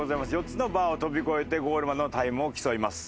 ４つのバーを跳び越えてゴールまでのタイムを競います。